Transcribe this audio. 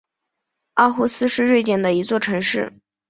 奥胡斯是瑞典的一座城市。